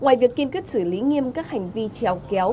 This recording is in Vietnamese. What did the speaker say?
ngoài việc kiên quyết xử lý nghiêm các hành vi trèo kéo